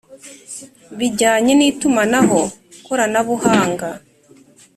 bijyanye n itumanaho koranabuhanga